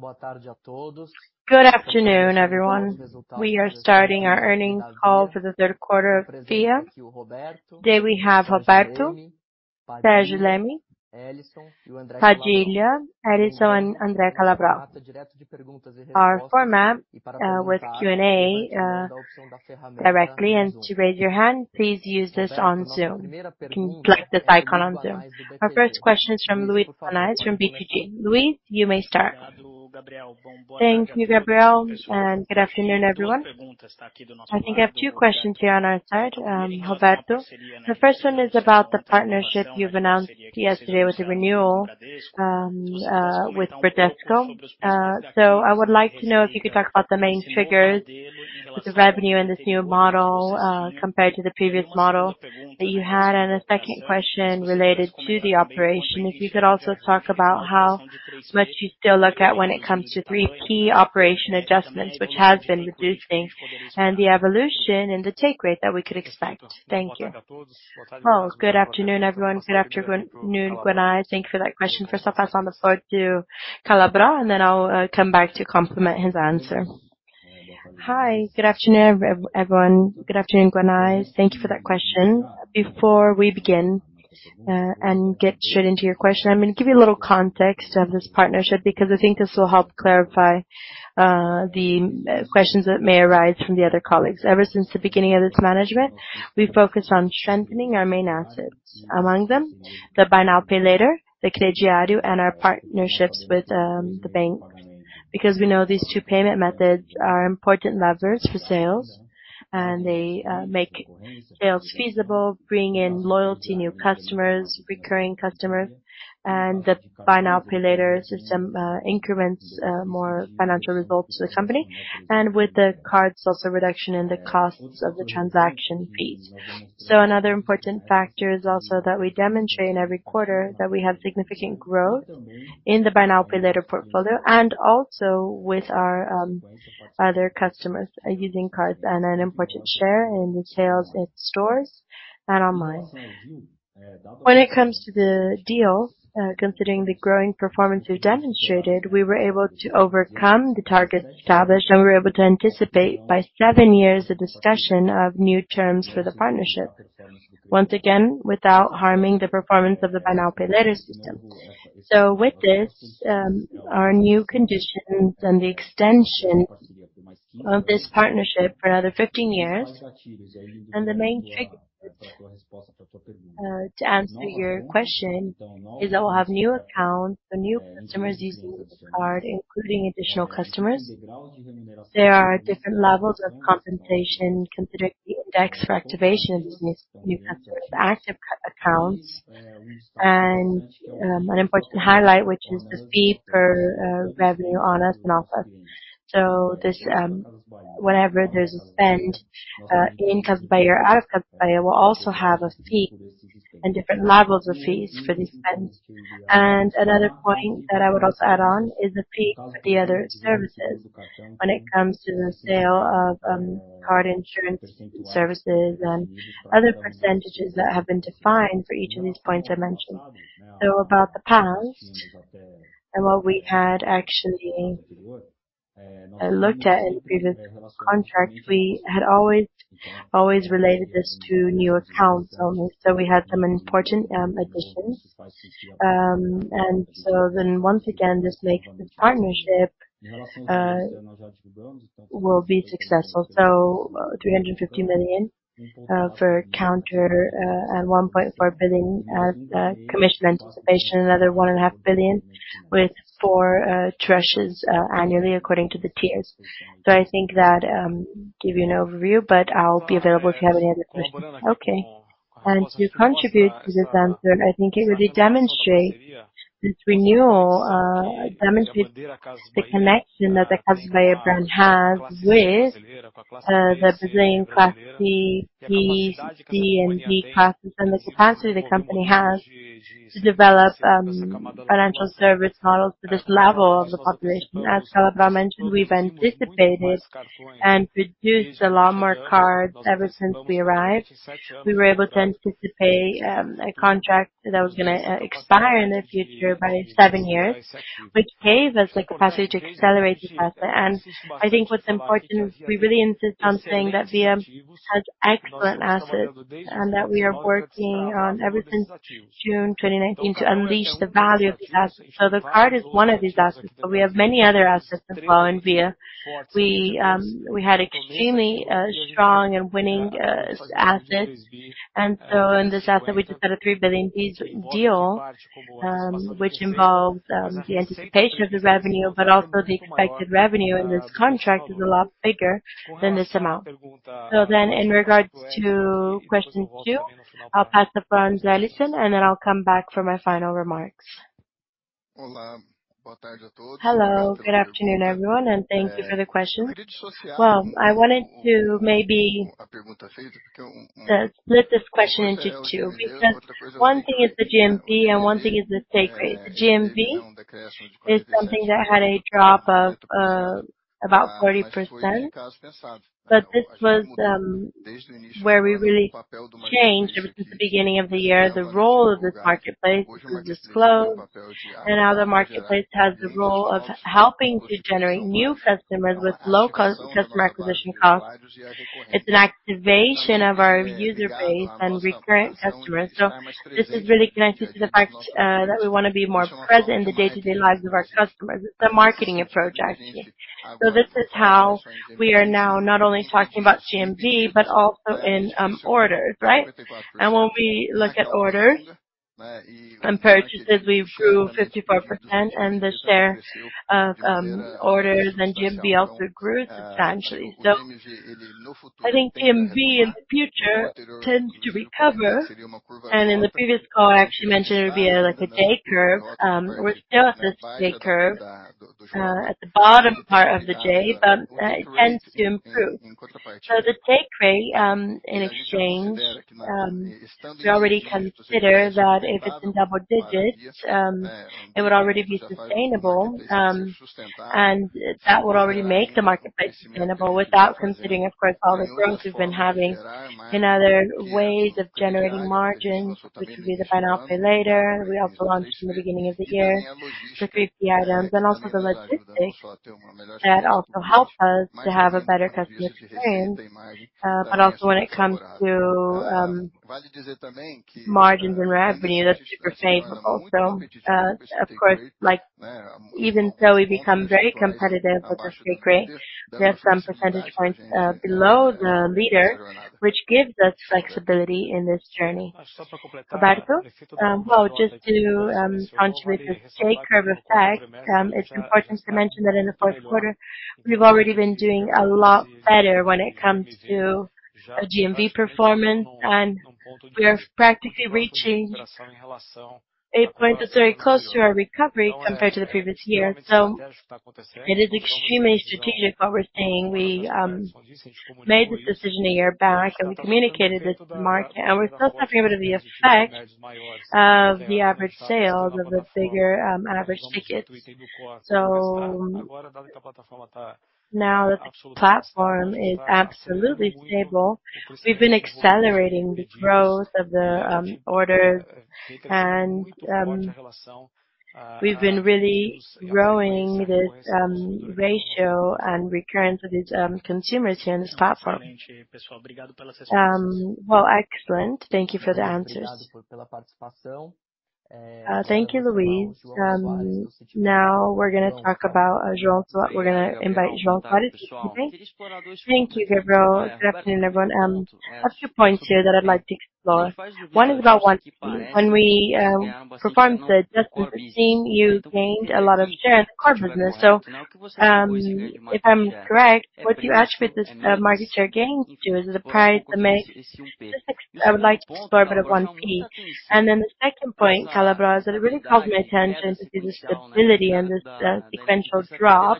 Good afternoon, everyone. We are starting our earnings call for the third quarter of Via. Today we have Roberto, Sérgio Leme, Padilha, Helisson and Andre Calabro. Our format, with Q&A, directly, and to raise your hand please use this on Zoom. You can click this icon on Zoom. Our first question is from Luiz Guanais from BTG. Luiz, you may start. Thank you, Gabriel, and good afternoon, everyone. I think I have two questions here on our side, Roberto. The first one is about the partnership you've announced yesterday with the renewal, with Bradesco. So I would like to know if you could talk about the main drivers with the revenue in this new model, compared to the previous model that you had. A second question related to the operation. If you could also talk about how much you still look at when it comes to three key operation adjustments, which has been reducing and the evolution in the take rate that we could expect. Thank you. Good afternoon, everyone. Good afternoon, Guanais. Thank you for that question. First I'll pass on the floor to Calabro, and then I'll come back to complement his answer. Hi, good afternoon, everyone. Good afternoon, Guanais. Thank you for that question. Before we begin and get straight into your question, I'm gonna give you a little context of this partnership because I think this will help clarify the questions that may arise from the other colleagues. Ever since the beginning of this management, we focused on strengthening our main assets. Among them the buy now, pay later, the crediário, and our partnerships with the bank. Because we know these two payment methods are important levers for sales and they make sales feasible, bring in loyalty, new customers, recurring customers. The buy now, pay later system increments more financial results to the company. With the cards, also reduction in the costs of the transaction fees. Another important factor is also that we demonstrate in every quarter that we have significant growth in the buy now, pay later portfolio, and also with our other customers using cards and an important share in the sales at stores and online. When it comes to the deal, considering the growing performance we've demonstrated, we were able to overcome the targets established, and we were able to anticipate by seven years the discussion of new terms for the partnership. Once again, without harming the performance of the buy now, pay later system. With this, our new conditions and the extension of this partnership for another 15 years. The main trigger to answer your question is that we'll have new accounts for new customers using this card, including additional customers. There are different levels of compensation considering the index for activation of these new customers, active accounts. An important highlight, which is the fee per revenue on us and also. This, whenever there's a spend in Casas Bahia or out of Casas Bahia, will also have a fee and different levels of fees for these spends. Another point that I would also add on is the fee for the other services when it comes to the sale of card insurance services and other percentages that have been defined for each of these points I mentioned. About the past, and what we had actually looked at in previous contracts, we had always related this to new accounts only. We had some important additions. Once again, this makes the partnership will be successful. 350 million for counter and 1.4 billion as commission anticipation. Another 1.5 billion with four tranches annually according to the tiers. I think that give you an overview, but I'll be available if you have any other questions. Okay. To contribute to this answer, I think it really demonstrates this renewal demonstrates the connection that the Casas Bahia brand has with the Brazilian class C, D, and E classes, and the capacity the company has to develop financial service models for this level of the population. As Calabro mentioned, we've anticipated and produced a lot more cards ever since we arrived. We were able to anticipate a contract that was gonna expire in the future by seven years, which gave us the capacity to accelerate the process. I think what's important is we really insist on saying that Via has excellent assets and that we are working on, ever since June 2019, to unleash the value of the assets. The card is one of these assets, but we have many other assets as well in Via. We had extremely strong and winning assets. In this asset we just had a 3 billion deal, which involved the anticipation of the revenue, but also the expected revenue, and this contract is a lot bigger than this amount. In regards to question two, I'll pass the floor on to Helisson, and then I'll come back for my final remarks. Hello. Good afternoon, everyone, and thank you for the question. Well, I wanted to maybe split this question into two, because one thing is the GMV and one thing is the take rate. The GMV is something that had a drop of about 30%, but this was where we really changed ever since the beginning of the year. The role of this marketplace is disclosed, and now the marketplace has the role of helping to generate new customers with low cost customer acquisition costs. It's an activation of our user base and recurrent customers. This is really connected to the fact that we wanna be more present in the day-to-day lives of our customers. It's a marketing approach, actually. This is how we are now, not only talking about GMV, but also in orders, right? When we look at orders and purchases, we've grew 54% and the share of orders and GMV also grew substantially. I think GMV in the future tends to recover. In the previous call, I actually mentioned it would be like a J curve. We're still at this J curve at the bottom part of the J, but it tends to improve. The take rate in exchange we already consider that if it's in double digits it would already be sustainable and that would already make the marketplace sustainable without considering, of course, all the things we've been having in other ways of generating margins, which would be the buy now, pay later. We also launched in the beginning of the year the 50 items and also the logistics that also help us to have a better customer experience. But also when it comes to margins and revenue, that's super favorable. Of course, like, even though we become very competitive with this take rate, we have some percentage points below the leader, which gives us flexibility in this journey. Roberto? Well, just to continue with this J curve effect, it's important to mention that in the fourth quarter we've already been doing a lot better when it comes to a GMV performance, and we are practically reaching a point that's very close to our recovery compared to the previous year. It is extremely strategic what we're saying. We made this decision a year back, and we communicated this to market, and we're still suffering a bit of the effect of the average sales of the bigger average tickets. Now that the platform is absolutely stable, we've been accelerating the growth of the orders, and we've been really growing this ratio and recurrence of these consumers here in this platform. Well, excellent. Thank you for the answers. Thank you, Luiz. Now we're gonna talk about João. We're gonna invite João Soares to speak. Thank you, Gabriel. Good afternoon, everyone. A few points here that I'd like to explore. One is about 1P. When we performed the justice routine, you gained a lot of share in the core business. If I'm correct, what do you attribute this market share gain to? Is it the price, the mix? I would like to explore a bit of 1P. The second point, Calabro, is that it really caught my attention to see the stability and the sequential drop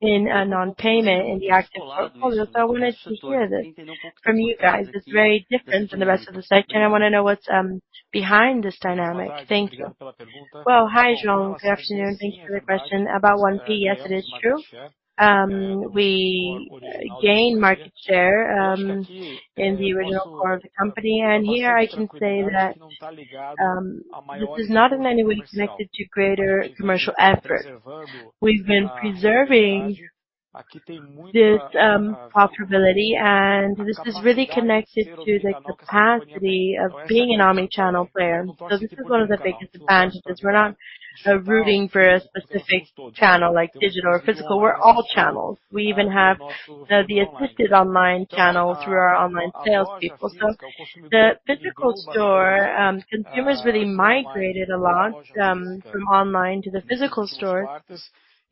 in non-payment in the active portfolios. I wanted to hear this from you guys. It's very different than the rest of the sector, and I wanna know what's behind this dynamic. Thank you. Well, hi, João. Good afternoon. Thank you for the question. About 1P, yes, it is true. We gained market share in the original core of the company. Here I can say that this is not in any way connected to greater commercial effort. We've been preserving this profitability, and this is really connected to the capacity of being an omnichannel player. This is one of the biggest advantages. We're not rooting for a specific channel like digital or physical. We're all channels. We even have the assisted online channel through our online salespeople. The physical store, consumers really migrated a lot from online to the physical store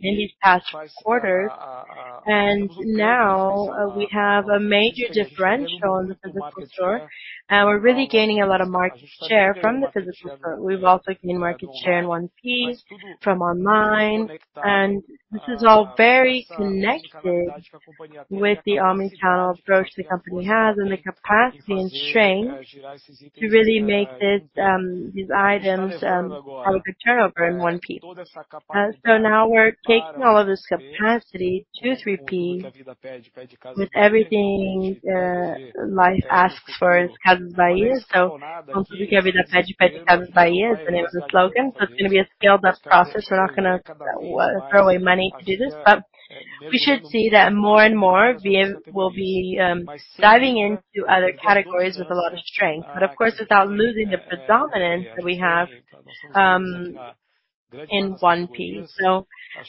in these past quarters. Now we have a major differential in the physical store, and we're really gaining a lot of market share from the physical store. We've also gained market share in 1P from online, and this is all very connected with the omnichannel approach the company has and the capacity and strength to really make this, these items, have a good turnover in 1P. Now we're taking all of this capacity to 3P with everything life asks for its Casas Bahia. "Com tudo o que a vida pede Casas Bahia" is the name of the slogan. It's gonna be a scaled up process. We're not gonna throw away money to do this. We should see that more and more we'll be diving into other categories with a lot of strength, but of course, without losing the predominance that we have in 1P.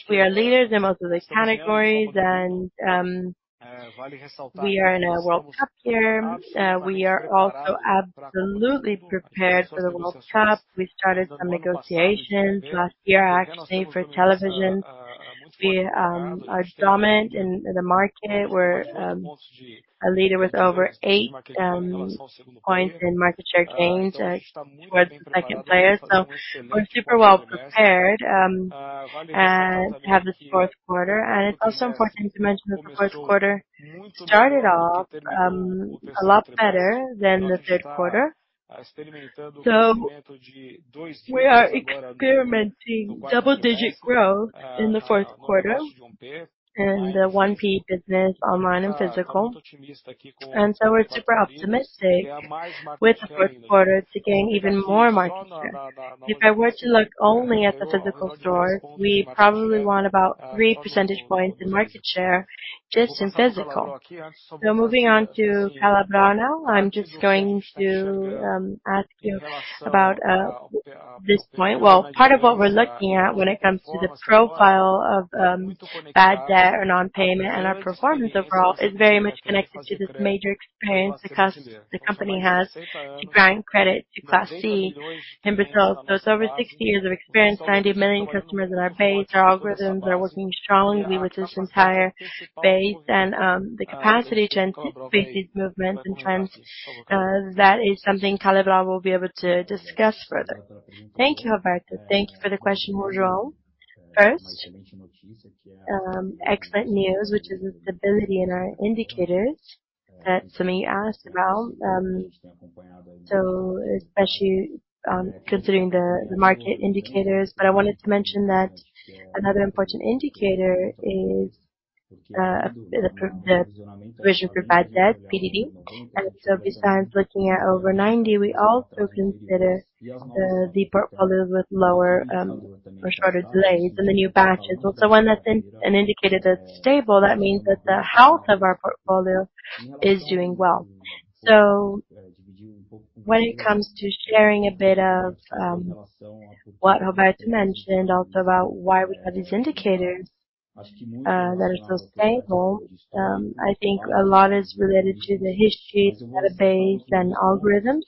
We are leaders in most of the categories and we are in a World Cup year. We are also absolutely prepared for the World Cup. We started some negotiations last year, actually, for television. We are dominant in the market. We're a leader with over eight points in market share gains towards the second player. We're super well prepared to have this fourth quarter. It's also important to mention that the fourth quarter started off a lot better than the third quarter. We are experiencing double digit growth in the fourth quarter and 1P business online and physical. We're super optimistic with the fourth quarter to gain even more market share. If I were to look only at the physical store, we probably won about three percentage points in market share just in physical. Moving on to Calabro now. I'm just going to ask you about this point. Well, part of what we're looking at when it comes to the profile of bad debt or non-payment and our performance overall is very much connected to this major experience the company has to grant credit to Class C in Brazil. It's over 60 years of experience. 90 million customers in our base. Our algorithms are working strongly with this entire base and the capacity to anticipate these movements in trends that is something Calabro will be able to discuss further. Thank you, Roberto. Thank you for the question, João. First, excellent news, which is the stability in our indicators that asked about. Especially considering the market indicators. I wanted to mention that another important indicator is the provision for bad debt, PDD. Besides looking at over 90, we also consider the portfolio with lower or shorter delays. The new batch is also one that's an indicator that's stable. That means that the health of our portfolio is doing well. When it comes to sharing a bit of what Roberto mentioned also about why we have these indicators that are so stable, I think a lot is related to the history, the database and algorithms.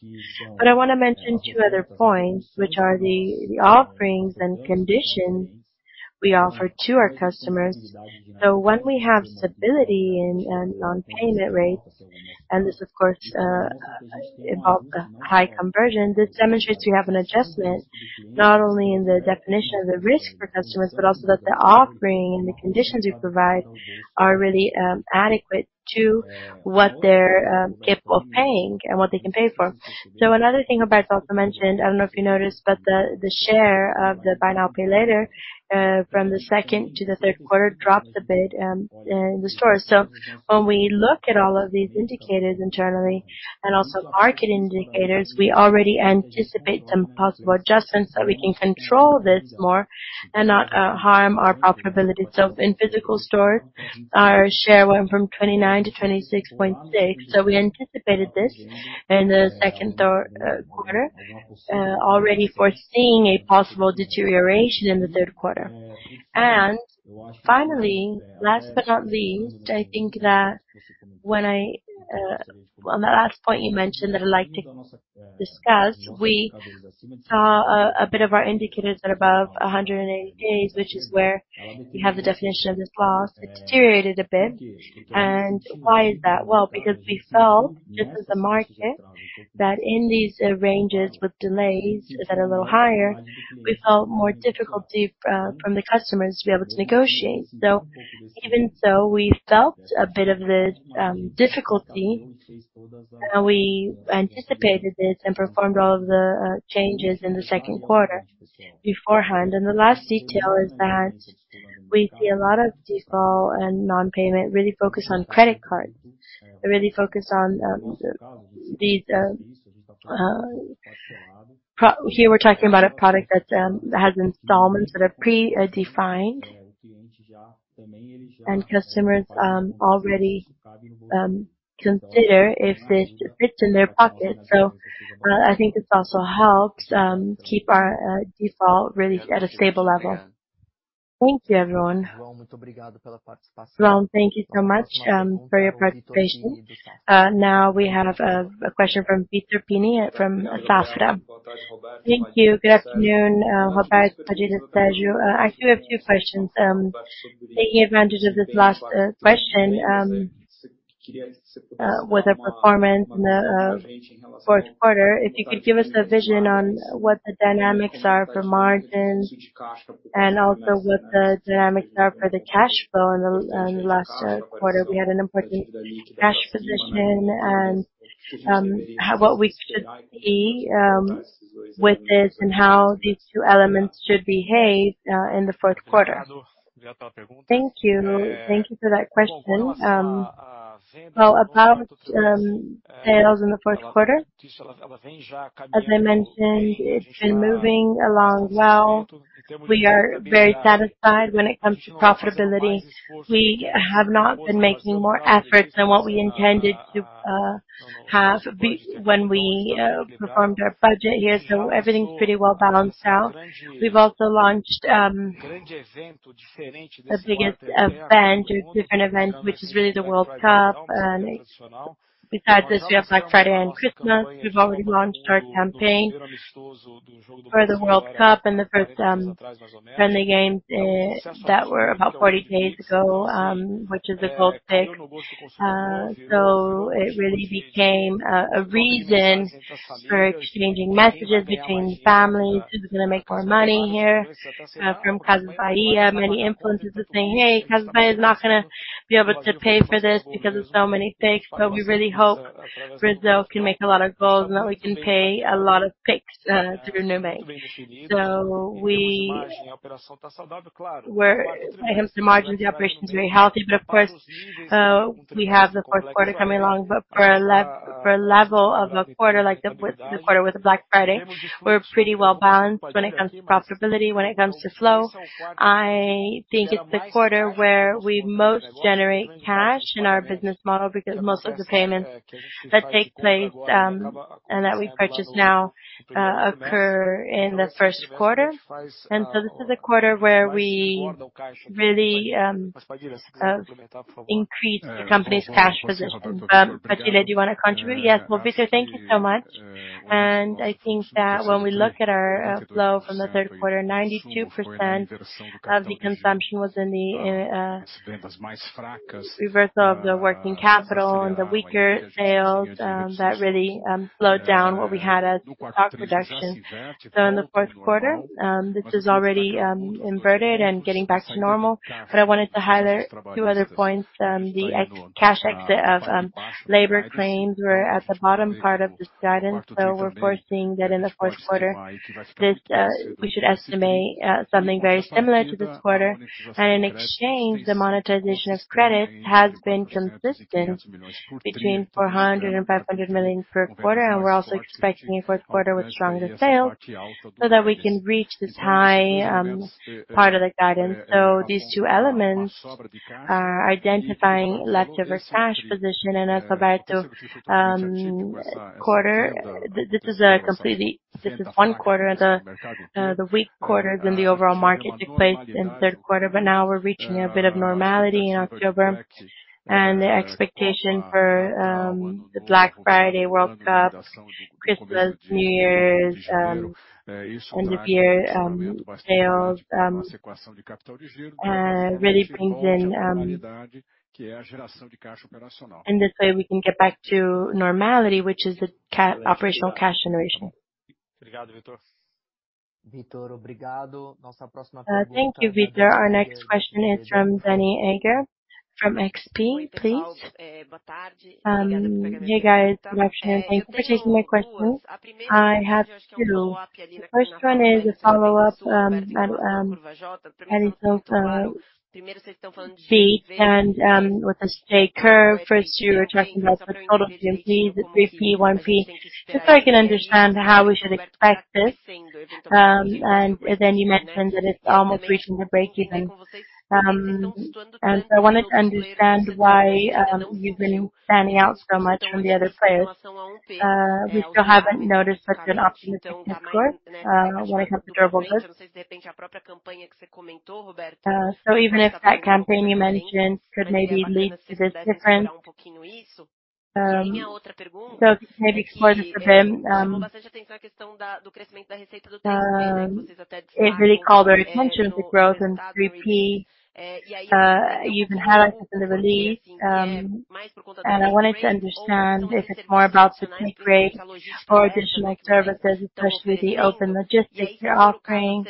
I wanna mention two other points, which are the offerings and conditions we offer to our customers. When we have stability in non-payment rates, and this of course involves the high conversion, this demonstrates we have an adjustment not only in the definition of the risk for customers, but also that the offering and the conditions we provide are really adequate to what they're capable of paying and what they can pay for. Another thing Roberto also mentioned, I don't know if you noticed, but the share of the buy now, pay later from the second to the third quarter dropped a bit in the stores. When we look at all of these indicators internally and also market indicators, we already anticipate some possible adjustments so we can control this more and not harm our profitability. In physical stores, our share went from 29%-26.6%. We anticipated this in the second quarter already foreseeing a possible deterioration in the third quarter. Finally, last but not least, I think that on the last point you mentioned that I'd like to discuss. We saw a bit of our indicators at above 180 days, which is where you have the definition of this loss. It deteriorated a bit. Why is that? Well, because we felt just as a market that in these ranges with delays that are a little higher, we felt more difficulty from the customers to be able to negotiate. Even so, we felt a bit of this difficulty. We anticipated this and performed all the changes in the second quarter beforehand. The last detail is that we see a lot of default and non-payment really focused on credit cards. They're really focused on these. Here we're talking about a product that has installments that are predefined. Customers already consider if this fits in their pocket. I think this also helps keep our default really at a stable level. Thank you, everyone. Well, thank you so much for your participation. Now we have a question from Vitor Pini from Safra. Thank you. Good afternoon, Roberto, Padilha, Sérgio. I actually have two questions. Taking advantage of this last question with the performance in the fourth quarter. If you could give us a vision on what the dynamics are for margins and also what the dynamics are for the cash flow in the last quarter. We had an important cash position and what we should see with this and how these two elements should behave in the fourth quarter. Thank you. Thank you for that question. Well, about sales in the fourth quarter, as I mentioned, it's been moving along well. We are very satisfied when it comes to profitability. We have not been making more efforts than what we intended to when we performed our budget here. Everything's pretty well balanced out. We've also launched the biggest bang different event, which is really the World Cup. Besides this, we have Black Friday and Christmas. We've already launched our campaign for the World Cup and the first friendly games that were about 40 days ago, which is the Gol de Pix. It really became a reason for exchanging messages between families. Who's gonna make more money here? From Casas Bahia, many influencers are saying, "Hey, Casas Bahia is not gonna be able to pay for this because of so many pix." We really hope Brazil can make a lot of goals, now we can pay a lot of pix through Nubank. When it comes to margins, the operation is very healthy. Of course, we have the fourth quarter coming along. For a level of a quarter like the quarter with the Black Friday, we're pretty well balanced when it comes to profitability, when it comes to flow. I think it's the quarter where we most generate cash in our business model because most of the payments that take place and that we buy now occur in the first quarter. This is a quarter where we really increase the company's cash position. Padilha, do you wanna contribute? Yes. Well, Vitor, thank you so much. I think that when we look at our flow from the third quarter, 92% of the consumption was in the reversal of the working capital and the weaker sales that really slowed down what we had as stock reduction. In the fourth quarter, this is already inverted and getting back to normal. I wanted to highlight two other points. The ex-cash exit of labor claims were at the bottom part of this guidance. We're foreseeing that in the fourth quarter, we should estimate something very similar to this quarter. In exchange, the monetization of credits has been consistent between 400 million and 500 million per quarter. We're also expecting a fourth quarter with stronger sales so that we can reach this high part of the guidance. These two elements are identifying leftover cash position. Roberto, this is one quarter. The weak quarters in the overall market took place in third quarter, but now we're reaching a bit of normality in October. The expectation for the Black Friday, World Cup, Christmas, New Year's, end of year sales really brings in. This way we can get back to normality, which is the operational cash generation. Thank you, Vitor. Thank you, Vitor. Our next question is from Dannie Eiger from XP, please. Hey, guys. I actually have two particular questions. The first one is a follow-up on the result of with the J curve. First, you were talking about the total GMVs, 3P, 1P. Just so I can understand how we should expect this. Then you mentioned that it's almost reaching the break-even. I wanted to understand why you've been standing out so much from the other players. We still haven't noticed such an optimistic score when it comes to durable goods. So even if that campaign you mentioned could maybe lead to this difference. Maybe explore this a bit. It really called our attention to growth in 3P. You've highlighted in the release. I wanted to understand if it's more about the 3P or additional services, especially the Open logistics you're offering.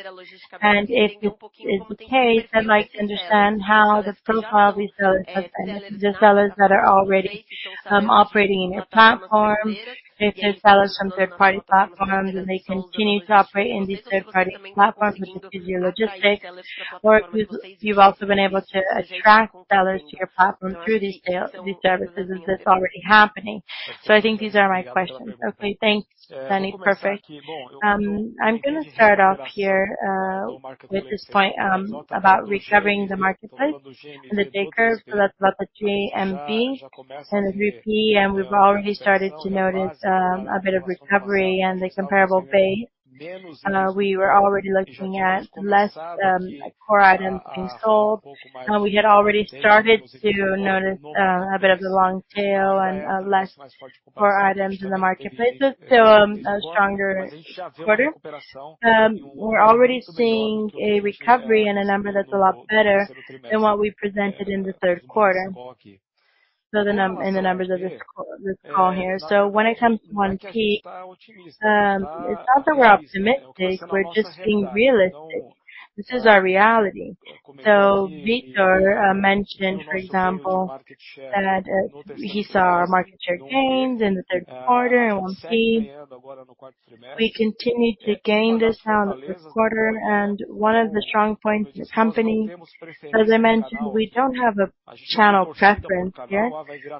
If it's the case, I'd like to understand how the profile of these sellers has been. The sellers that are already operating in your platform. If they're sellers from third-party platforms and they continue to operate in these third-party platforms, which is your logistics. Or if you've also been able to attract sellers to your platform through these services, is this already happening? I think these are my questions. Okay. Thanks, Dannie. Perfect. I'm gonna start off here with this point about recovering the marketplace and the J curve for the GMV and the 3P. We've already started to notice a bit of recovery in the comparable base. We were already looking at less core items being sold. We had already started to notice a bit of the long tail and less core items in the marketplace. A stronger quarter. We're already seeing a recovery and a number that's a lot better than what we presented in the third quarter. In the numbers of this call here. When it comes to 1P, it's not that we're optimistic, we're just being realistic. This is our reality. Vitor mentioned, for example, that he saw our market share gains in the third quarter and we'll see. We continue to gain this quarter. One of the strong points in the company, as I mentioned, we don't have a channel preference yet.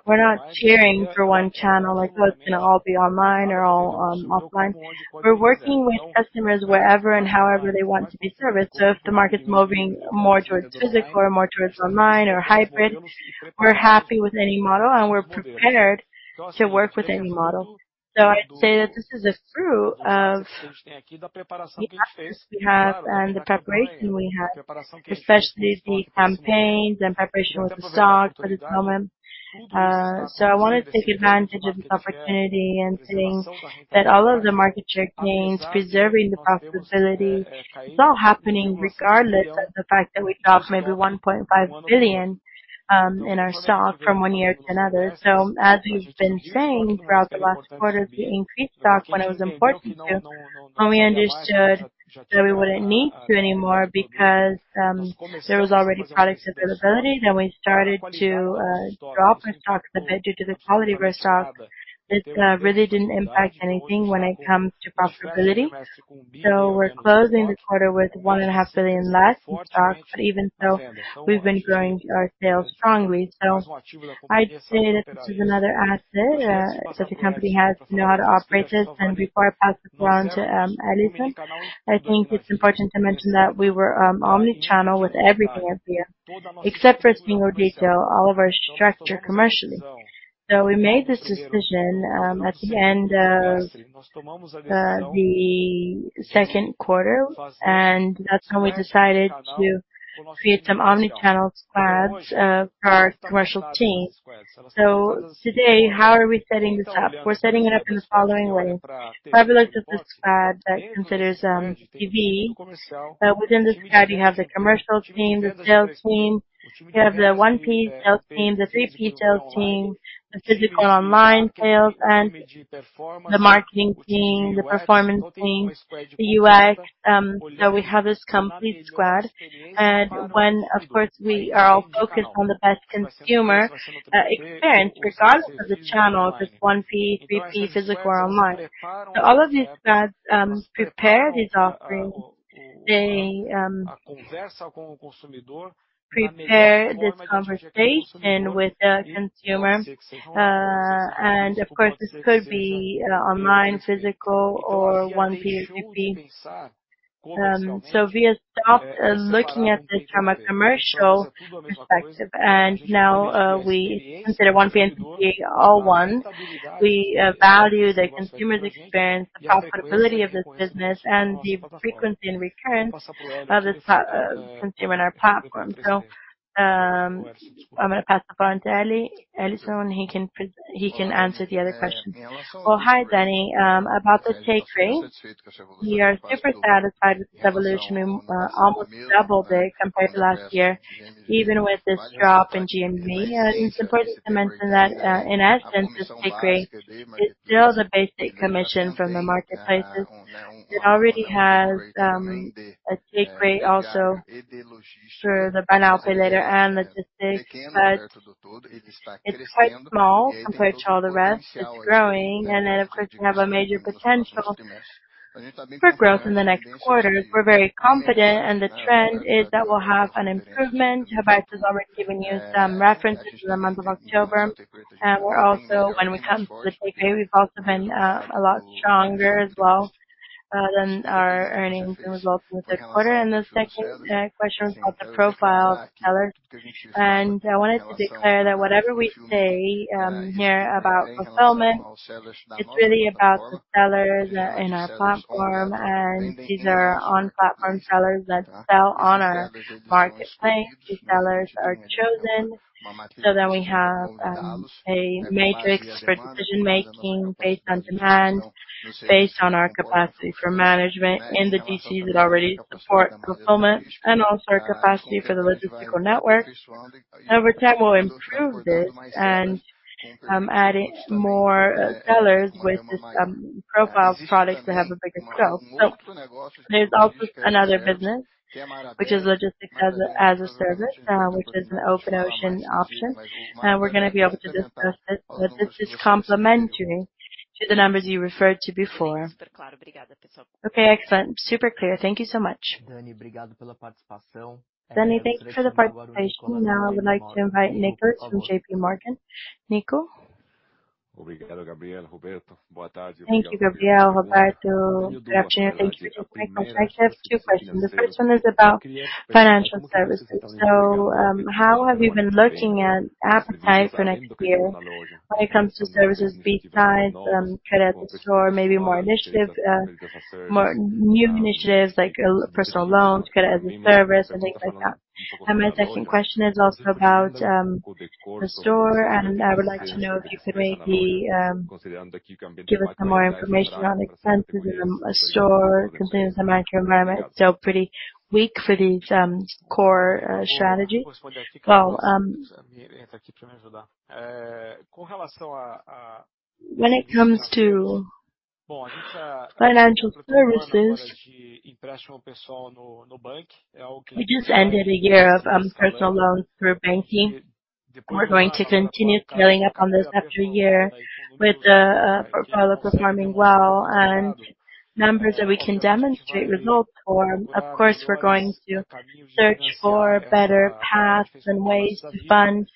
We're not cheering for one channel, like, well, it's gonna all be online or all, offline. We're working with customers wherever and however they want to be serviced. If the market's moving more towards physical or more towards online or hybrid, we're happy with any model, and we're prepared to work with any model. I'd say that this is a fruit of the efforts we have and the preparation we had, especially the campaigns and preparation with the stock for this moment. I wanna take advantage of this opportunity in saying that all of the market share gains preserving the profitability is all happening regardless of the fact that we dropped maybe 1.5 billion in our stock from one year to another. As we've been saying throughout the last quarters, we increased stock when it was important to. When we understood that we wouldn't need to anymore because there was already product availability, then we started to drop our stocks a bit due to the quality of our stock. It really didn't impact anything when it comes to profitability. We're closing the quarter with 1.5 billion less in stock. Even so, we've been growing our sales strongly. I'd say that this is another asset that the company has to know how to operate this. Before I pass the floor on to Helisson, I think it's important to mention that we were omnichannel with everything up here, except for singular detail, all of our structure commercially. We made this decision at the end of the second quarter, and that's when we decided to create some omnichannel squads for our commercial team. Today, how are we setting this up? We're setting it up in the following way. Fabulous is the squad that considers TV. Within the squad, you have the commercial team, the sales team. You have the 1P sales team, the 3P sales team, the physical online sales, and the marketing team, the performance team, the UX. Now we have this complete squad. When, of course, we are all focused on the best consumer experience regardless of the channel, if it's 1P, 3P, physical or online. All of these squads prepare these offerings. They prepare this conversation with the consumer. Of course, this could be online, physical or 1P, 3P. We have stopped looking at this from a commercial perspective, and now we consider 1P and 3P all one. We value the consumer's experience, the profitability of this business, and the frequency and recurrence of this consumer in our platform. I'm gonna pass the phone to Helisson, and he can answer the other questions. Well, hi, Dannie. About the take rate. We are super satisfied with this evolution. We almost doubled it compared to last year, even with this drop in GMV. It's important to mention that in essence, this take rate is still the basic commission from the marketplaces. It already has a take rate also through the fulfillment operator and logistics, but it's quite small compared to all the rest. It's growing. Of course, we have a major potential for growth in the next quarters. We're very confident, and the trend is that we'll have an improvement. Roberto has already given you some references to the month of October. We're also, when it comes to the take rate, we've also been a lot stronger as well than our earnings and results in the third quarter. The second question was about the profile of the seller. I wanted to declare that whatever we say here about fulfillment, it's really about the sellers in our platform. These are on-platform sellers that sell on our marketplace. These sellers are chosen so that we have a matrix for decision-making based on demand, based on our capacity for management in the DCs that already support fulfillment and also our capacity for the logistical network. Over time, we'll improve this and adding more sellers with this profile of products that have a bigger scope. There's also another business which is logistics as a service, which is an Open Ocean option. We're gonna be able to discuss it, but this is complementary to the numbers you referred to before. Okay, excellent. Super clear. Thank you so much. Dannie Eiger, thank you for the participation. Now, I would like to invite Nico from JPMorgan. Nico? Thank you, Gabriel, Roberto. Thank you. Quick one. I have two questions. The first one is about financial services. How have you been looking at appetite for next year when it comes to services besides credit as a service, maybe more initiatives, more new initiatives like personal loans, credit as a service and things like that? My second question is also about the store. I would like to know if you could maybe give us some more information around expenses in a store considering the macro environment is still pretty weak for these core strategies. Well, when it comes to financial services, we just ended a year of personal loans through banking. We're going to continue scaling up on this after a year with the profile of performing well and numbers that we can demonstrate results for. Of course, we're going to search for better paths and ways to fund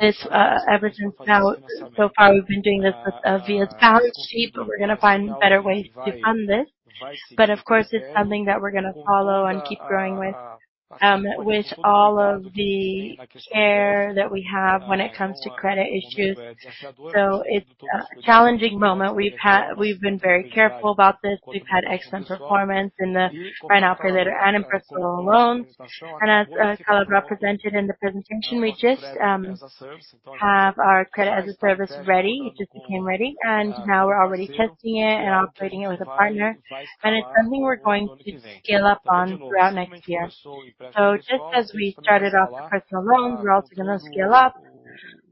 this. Ever since now, so far, we've been doing this with Via balance sheet, but we're gonna find better ways to fund this. Of course, it's something that we're gonna follow and keep growing with all of the care that we have when it comes to credit issues. It's a challenging moment. We've been very careful about this. We've had excellent performance in the financial operations and in personal loans. As Sérgio Leme represented in the presentation, we just have our Credit as a Service ready. It just became ready, and now we're already testing it and operating it with a partner. It's something we're going to scale up on throughout next year. Just as we started off personal loans, we're also gonna scale up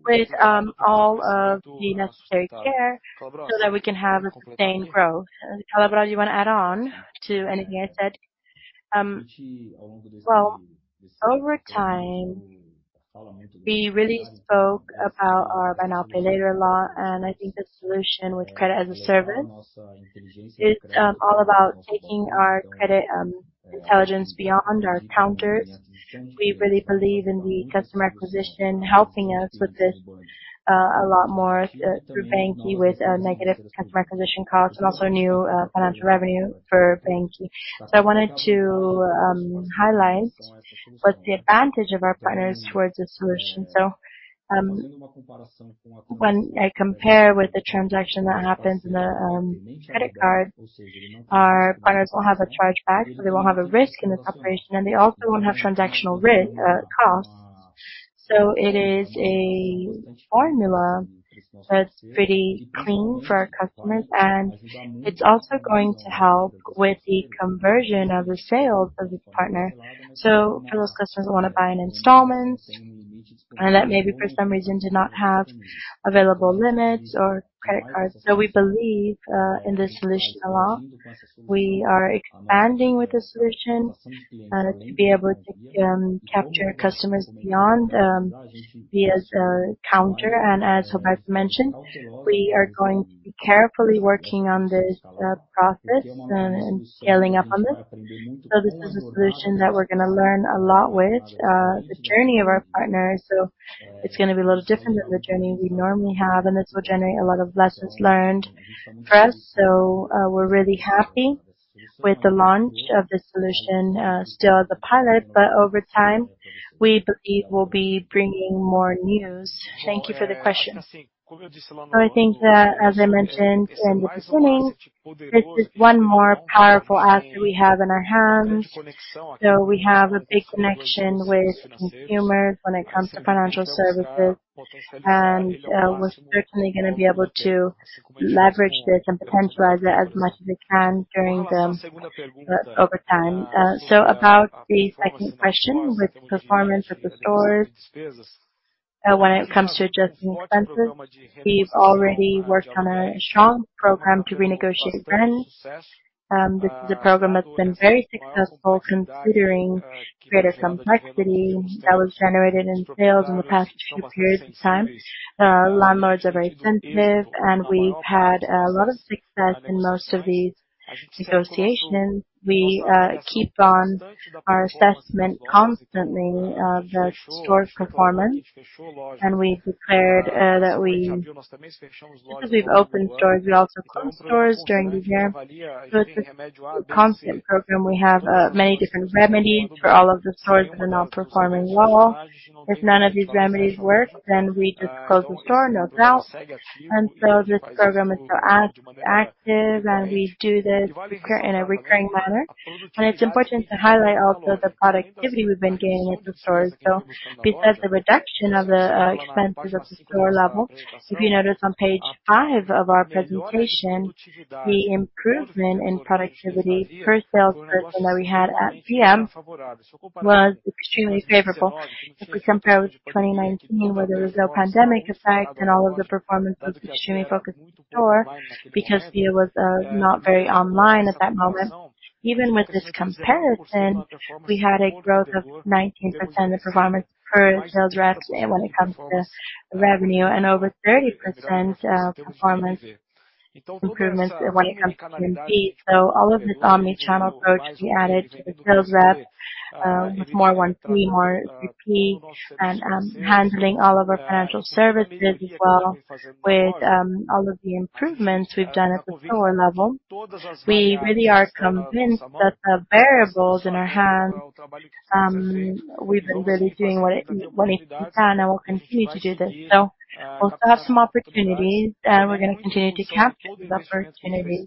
with all of the necessary care so that we can have a sustained growth. Calabro, do you wanna add on to anything I said? Over time we really spoke about our buy now, pay later, and I think the solution with credit as a service is all about taking our credit intelligence beyond our counters. We really believe in the customer acquisition helping us with this, a lot more through banQi with negative customer acquisition costs and also new financial revenue for banQi. I wanted to highlight what's the advantage of our partners toward this solution. When I compare with the transaction that happens in the credit card, our partners will have a chargeback, so they won't have a risk in this operation, and they also won't have transactional costs. It is a formula that's pretty clean for our customers, and it's also going to help with the conversion of the sales of each partner. For those customers who wanna buy in installments and that maybe for some reason did not have available limits or credit cards. We believe in this solution a lot. We are expanding with this solution in order to be able to capture customers beyond via the counter. As Roberto mentioned, we are going to be carefully working on this process and scaling up on this. This is a solution that we're gonna learn a lot with, the journey of our partners. It's gonna be a little different than the journey we normally have, and this will generate a lot of lessons learned for us. We're really happy with the launch of this solution. Still at the pilot, but over time we believe we'll be bringing more news. Thank you for the question. I think that as I mentioned in the beginning, this is one more powerful asset we have in our hands. We have a big connection with consumers when it comes to financial services, and we're certainly gonna be able to leverage this and potentialize it as much as we can over time. About the second question with performance at the stores, when it comes to adjusting expenses, we've already worked on a strong program to renegotiate rents. This is a program that's been very successful considering greater complexity that was generated in sales in the past few periods of time. Landlords are very sensitive, and we've had a lot of success in most of these negotiations. We keep on our assessment constantly of the store's performance. We've declared that just as we've opened stores, we also closed stores during the year. It's a constant program. We have many different remedies for all of the stores that are not performing well. If none of these remedies work, then we just close the store, no doubt. This program is still active, and we do this in a recurring manner. It's important to highlight also the productivity we've been gaining at the stores. Besides the reduction of the expenses at the store level, if you notice on page five of our presentation, the improvement in productivity per sales person that we had at PM was extremely favorable. If we compare with 2019, where there was no pandemic effect and all of the performance was extremely focused in store because Via was not very online at that moment. Even with this comparison, we had a growth of 19% of performance per sales rep when it comes to revenue, and over 30% performance improvements when it comes to MP. All of this omnichannel approach we added to the sales rep with more 1P, 3P, more CP and handling all of our financial services as well. With all of the improvements we've done at the store level, we really are convinced that the variables in our hands, we've been really doing what needs to be done and will continue to do this. We'll still have some opportunities, and we're gonna continue to capture these opportunities,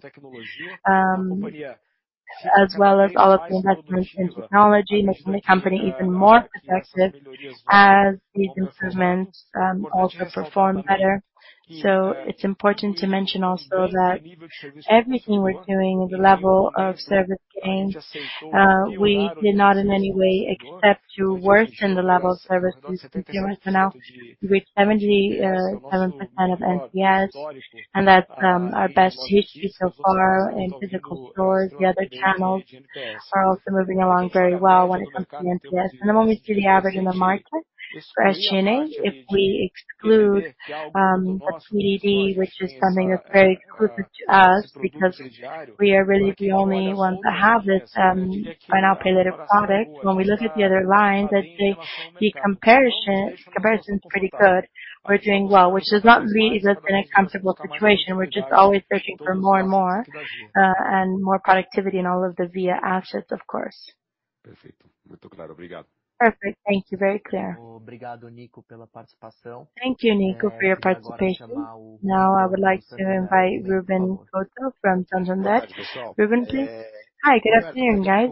as well as all of the investments in technology, making the company even more effective as these improvements also perform better. It's important to mention also that everything we're doing, the level of service gain, we did not in any way expect to worsen the level of service these consumers are now with 77 NPS. That's our best in history so far in physical stores. The other channels are also moving along very well when it comes to NPS. When we see the average in the market questioning, if we exclude the community, which is something that's very exclusive to us because we are really the only ones that have this buy now, pay later product. When we look at the other lines, I'd say the comparison's pretty good. We're doing well, which is not really just an uncomfortable situation. We're just always searching for more and more and more productivity in all of the Via assets, of course. Perfect. Thank you. Very clear. Thank you, Nico, for your participation. Now I would like to invite Ruben Couto from Santander. Ruben, please. Hi, good afternoon, guys.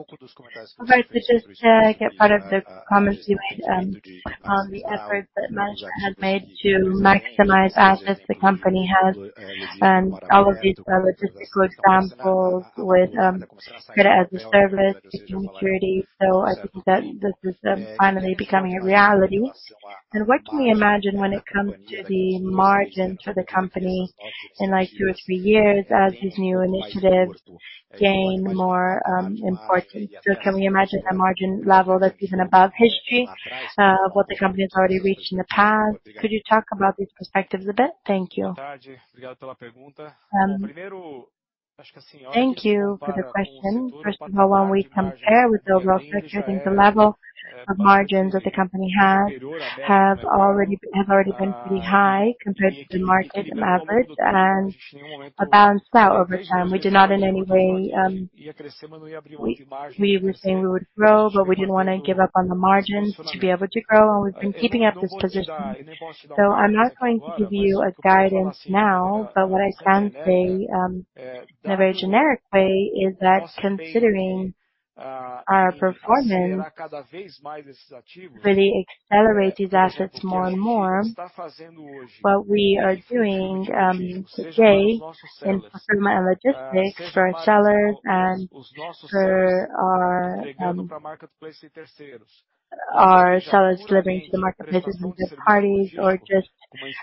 I'd like to just get part of the comments you made on the effort that management has made to maximize assets the company has and all of these logistical examples with Credit as a Service, digital maturity. I think that this is finally becoming a reality. What can we imagine when it comes to the margin for the company in like two or three years as these new initiatives gain more importance? Can we imagine a margin level that's even above history, what the company has already reached in the past? Could you talk about these perspectives a bit? Thank you. Um. Thank you for the question. First of all, when we compare with the overall sector, I think the level of margins that the company has have already been pretty high compared to the market average and will balance out over time. We do not in any way, we were saying we would grow, but we didn't wanna give up on the margins to be able to grow, and we've been keeping up this position. I'm not going to give you a guidance now, but what I can say, in a very generic way, is that considering our performance really accelerate these assets more and more. What we are doing today in fulfillment and logistics for our sellers delivering to the marketplaces and third parties or just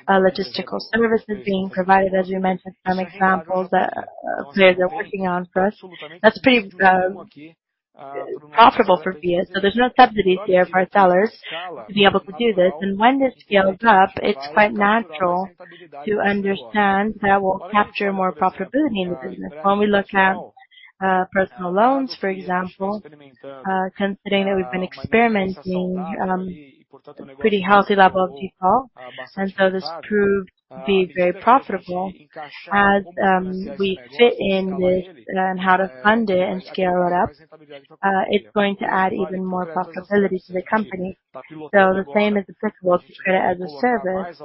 logistical services being provided, as you mentioned, some examples that players are working on for us. That's pretty profitable for Via. There's no subsidies there for our sellers to be able to do this. When this scales up, it's quite natural to understand that we'll capture more profitability in the business. When we look at personal loans, for example, considering that we've been experimenting pretty healthy level of default, and so this proved to be very profitable. As we figure out how to fund it and scale it up, it's going to add even more profitability to the company. The same is applicable to credit as a service.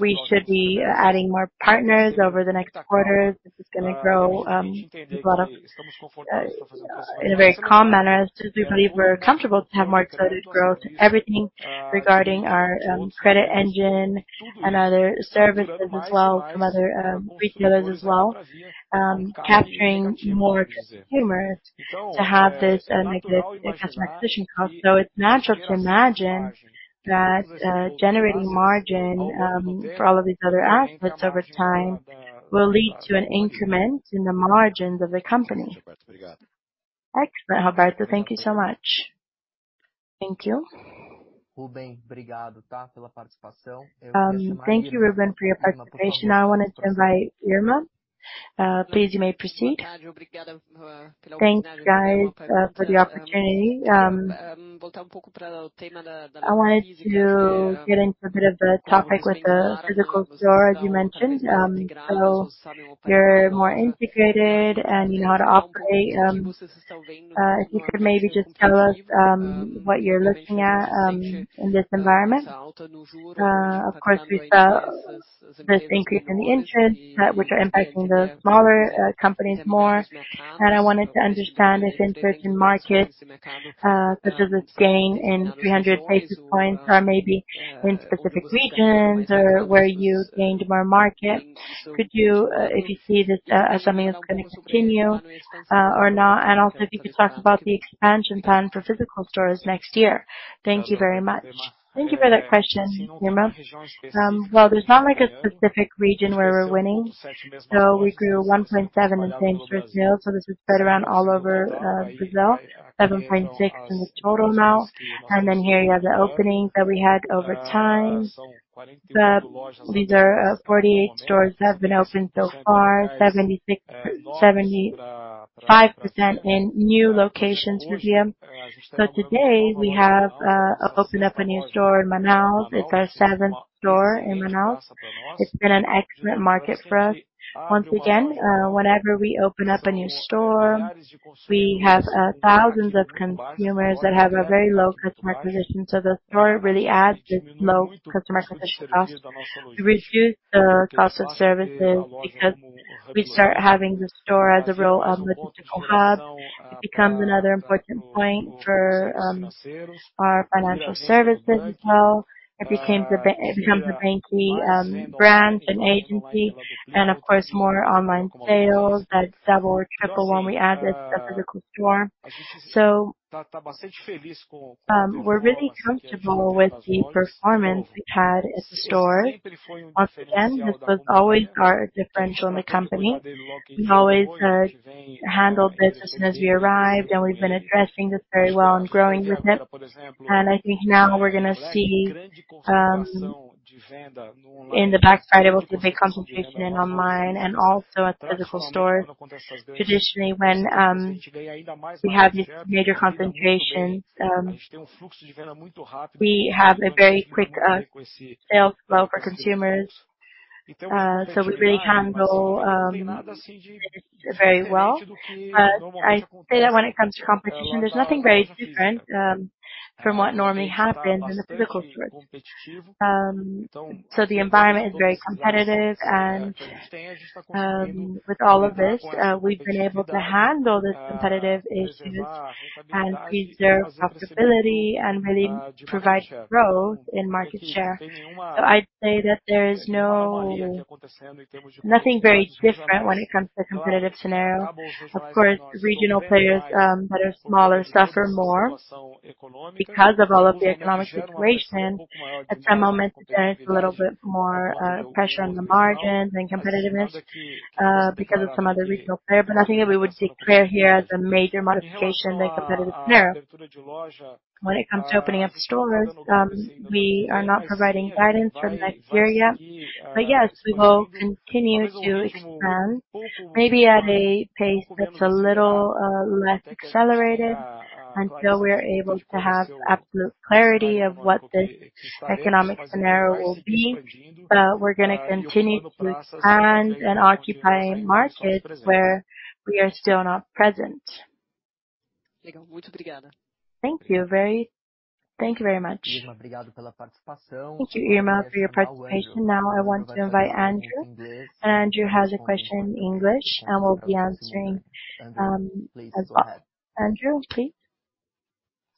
We should be adding more partners over the next quarters. This is gonna grow a lot in a very calm manner, since we believe we're comfortable to have more credit growth. Everything regarding our credit engine and other services as well, some other retailers as well, capturing more consumers to have this and make this a customer acquisition cost. It's natural to imagine that generating margin for all of these other aspects over time will lead to an increment in the margins of the company. Excellent, Roberto. Thank you so much. Thank you. Thank you, Ruben, for your participation. Now, I wanna invite Irma. Please, you may proceed. Thanks, guys, for the opportunity. I wanted to get into a bit of the topic with the physical store, as you mentioned. So you're more integrated and you know how to operate. If you could maybe just tell us what you're looking at in this environment? Of course, we saw this increase in the interest which are impacting the smaller companies more. I wanted to understand if interest in markets such as this gain in 300 basis points are maybe in specific regions or where you gained more market. Could you if you see this as something that's gonna continue or not? Also if you could talk about the expansion plan for physical stores next year. Thank you very much. Thank you for that question, Irma. Well, there's not like a specific region where we're winning. We grew 1.7% in same store sales. This is spread around all over Brazil, 7.6% in the total now. Then here you have the openings that we had over time. These are 48 stores that have been opened so far, 75% in new locations for Via. Today, we have opened up a new store in Manaus. It's our seventh store in Manaus. It's been an excellent market for us. Once again, whenever we open up a new store, we have thousands of consumers that have a very low customer acquisition. The store really adds this low customer acquisition cost to reduce the cost of services because we start having the store as a real logistical hub. It becomes another important point for our financial services as well. It becomes a banQi branch and agency, and of course, more online sales that double or triple when we add this, the physical store. We're really comfortable with the performance we've had at the store. Once again, this was always our differential in the company. We always handled this as soon as we arrived, and we've been addressing this very well and growing with it. I think now we're gonna see in the back side of the big concentration in online and also at the physical store. Traditionally, when we have major concentrations, we have a very quick sales flow for consumers. We really handle very well. I say that when it comes to competition, there's nothing very different from what normally happens in the physical stores. The environment is very competitive and with all of this, we've been able to handle this competitive issues and preserve profitability and really provide growth in market share. I'd say that there is nothing very different when it comes to competitive scenario. Of course, regional players that are smaller suffer more because of all of the economic situation. At the moment, there is a little bit more pressure on the margins and competitiveness because of some other regional player. I think that we would see clearly here the major modification in the competitive scenario. When it comes to opening up stores, we are not providing guidance for next year yet. Yes, we will continue to expand maybe at a pace that's a little less accelerated until we are able to have absolute clarity of what this economic scenario will be. We're gonna continue to expand and occupy markets where we are still not present. Thank you very much. Thank you, Irma, for your presentation. Now I want to invite Andrew. Andrew has a question in English, and we'll be answering as well. Andrew, please.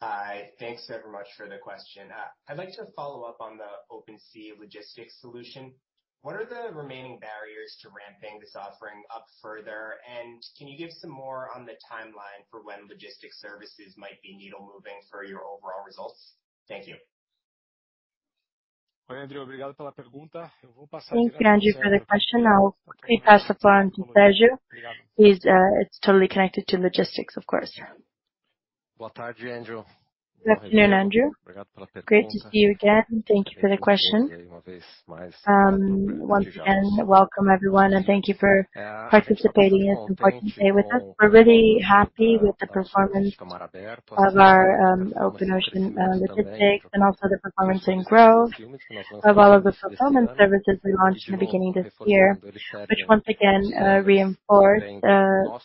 Hi. Thanks so very much for the question. I'd like to follow up on the Open Sea logistics solution. What are the remaining barriers to ramping this offering up further? And can you give some more on the timeline for when logistics services might be needle moving for your overall results? Thank you. Thank you, Andrew, for the question. I will quickly pass the floor on to Sérgio. He's totally connected to logistics, of course. Good afternoon, Andrew. Great to see you again. Thank you for the question. Once again, welcome everyone and thank you for participating in this important day with us. We're really happy with the performance of our Open Ocean logistics and also the performance and growth of all of the fulfillment services we launched in the beginning of this year, which once again reinforce the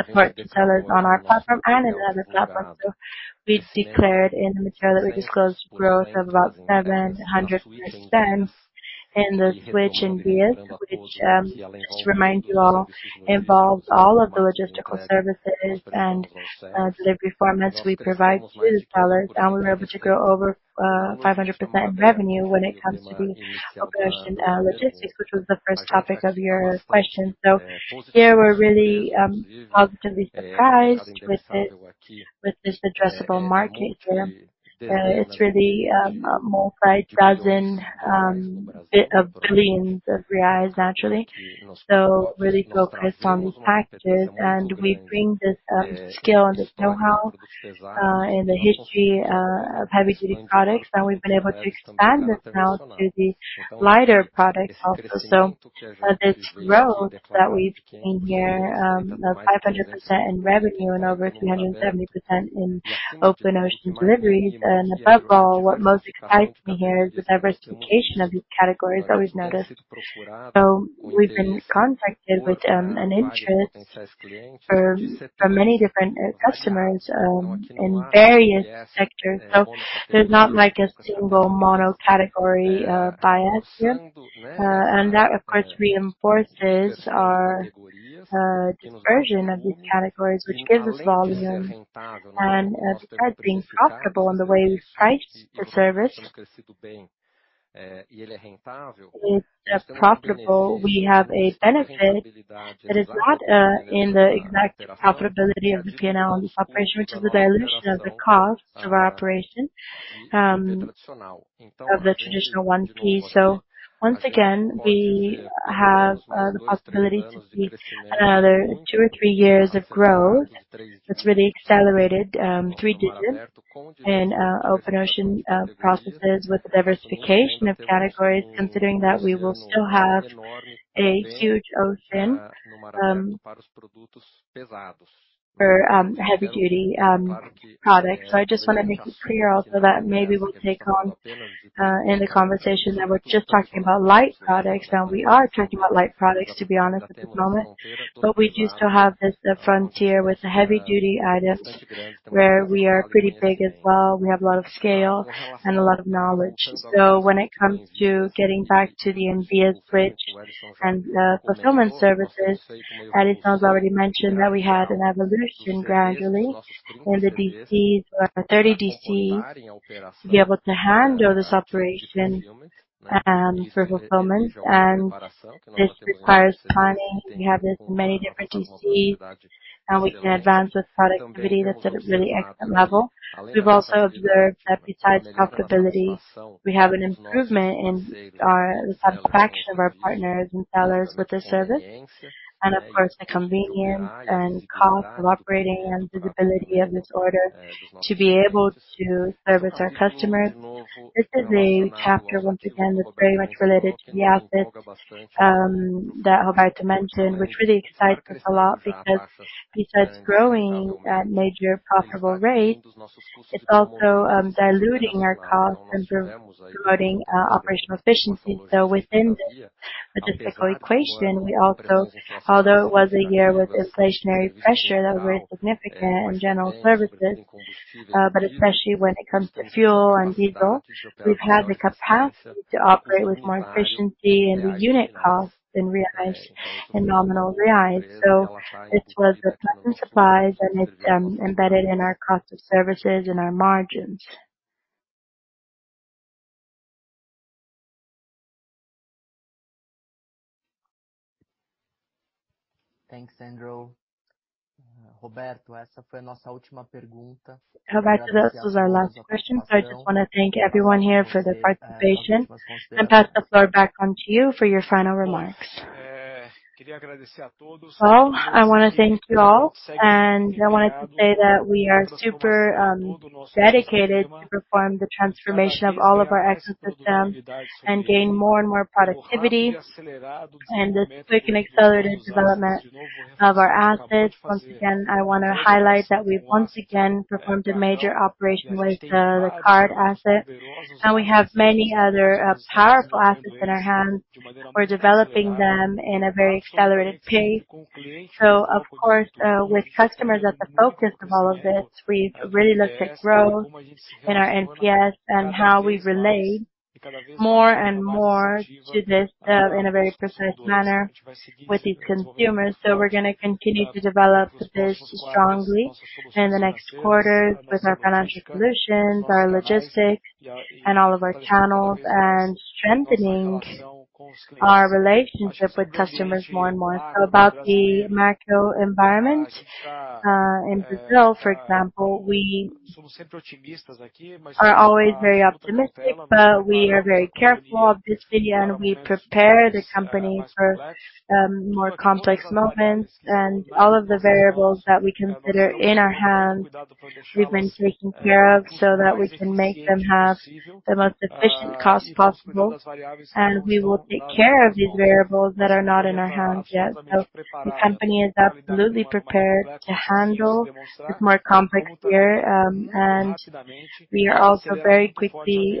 support to sellers on our platform and in the other platforms. We declared in the material that we disclosed growth of about 700% in the switching year, which just to remind you all, involves all of the logistical services and delivery formats we provide to the sellers. We were able to grow over 500% in revenue when it comes to the Open Ocean logistics, which was the first topic of your question. Here we're really positively surprised with it, with this addressable market here. It's really a multi-billion reais naturally. Really focused on these packages, and we bring this skill and this know-how in the history of heavy-duty products, and we've been able to expand this now to the lighter products also. This growth that we've seen here of 500% in revenue and over 370% in Open Ocean deliveries. Above all, what most excites me here is the diversification of these categories that we've noticed. We've been contacted with an interest from many different customers in various sectors. There's not like a single mono category bias here. That of course reinforces our dispersion of these categories, which gives us volume. Besides being profitable in the way we price the service, it's profitable. We have a benefit that is not in the exact profitability of the P&L on this operation, which is the dilution of the cost of our operation of the traditional 1P. Once again, we have the possibility to see another two or three years of growth that's really accelerated, three digits in Open Ocean processes with the diversification of categories, considering that we will still have a huge Open for heavy-duty products. I just wanna make it clear also that maybe we'll take on in the conversation that we're just talking about light products. Now we are talking about light products, to be honest at the moment. But we do still have this frontier with the heavy duty items where we are pretty big as well. We have a lot of scale and a lot of knowledge. When it comes to getting back to the Envvias switch and the fulfillment services, Helisson's already mentioned that we had an evolution gradually in the DCs, 30 DCs to be able to handle this operation for fulfillment. This requires planning. We have this many different DCs, and we can advance with productivity that's at a really excellent level. We've also observed that besides profitability, we have an improvement in the satisfaction of our partners and sellers with this service. Of course, the convenience and cost of operating and visibility of this order to be able to service our customers. This is a chapter, once again, that's very much related to the assets that Roberto mentioned, which really excites us a lot because besides growing at major profitable rates, it's also diluting our costs and promoting operational efficiency. Within this logistical equation, we also, although it was a year with inflationary pressure that were very significant in general services, but especially when it comes to fuel and diesel, we've had the capacity to operate with more efficiency in the unit costs in reais, in nominal reais. This was the P&L and supplies, and it's embedded in our cost of services and our margins. Thanks, Andrew. Roberto, this was our last question. I just wanna thank everyone here for their participation and pass the floor back onto you for your final remarks. Well, I wanna thank you all, and I wanted to say that we are super dedicated to perform the transformation of all of our ecosystem and gain more and more productivity and the quick and accelerated development of our assets. Once again, I wanna highlight that we've once again performed a major operation with the card asset. We have many other powerful assets in our hands. We're developing them in a very accelerated pace. Of course, with customers at the focus of all of this, we've really looked at growth in our NPS and how we relate more and more to this in a very precise manner with these consumers. We're gonna continue to develop this strongly in the next quarters with our financial solutions, our logistics, and all of our channels, and strengthening our relationship with customers more and more. About the macro environment in Brazil, for example, we are always very optimistic, but we are very careful of this view, and we prepare the company for more complex moments and all of the variables that we consider in our hands. We've been taking care of so that we can make them have the most efficient cost possible, and we will take care of these variables that are not in our hands yet. The company is absolutely prepared to handle this more complex year, and we are also very quickly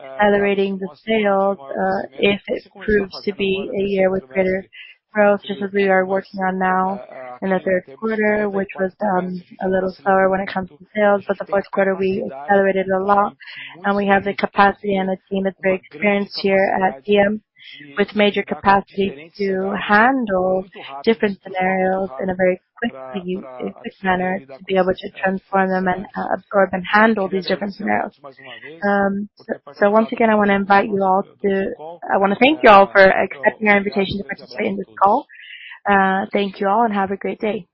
accelerating the sales if it proves to be a year with greater growth, just as we are working on now in the third quarter, which was a little slower when it comes to sales. The fourth quarter, we accelerated a lot, and we have the capacity and a team that's very experienced here at Via with major capacity to handle different scenarios in a very quickly, in quick manner, to be able to transform them and absorb and handle these different scenarios. Once again, I wanna thank you all for accepting our invitation to participate in this call. Thank you all, and have a great day.